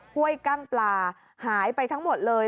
้วยกั้งปลาหายไปทั้งหมดเลย